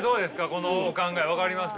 このお考え分かります？